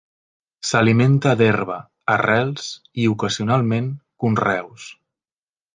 S'alimenta d'herba, arrels i, ocasionalment, conreus.